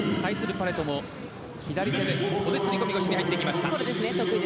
パレトも左手で袖釣り込み腰に入ってきました。